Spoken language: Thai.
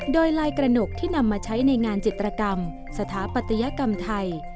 โดยลายกระหนกที่นำมาใช้ในงานจิตรกรรมสถาปัตยกรรมไทย